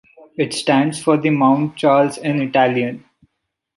It stands for the "Mount Charles" in Italian.